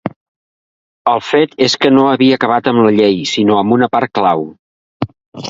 El fet és que no havia acabat amb la llei sinó amb una part clau.